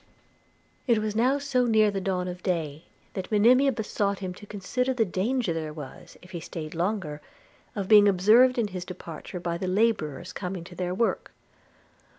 It was now so near the dawn of day, that Monimia besought him to consider the danger there was, if he staid longer, of being observed in his departure by the labourers coming to their work.